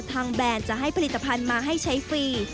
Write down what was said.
แบรนด์จะให้ผลิตภัณฑ์มาให้ใช้ฟรี